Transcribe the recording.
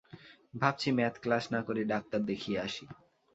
ভাবছি math class না করে ডাক্তার দেখিয়ে আসি।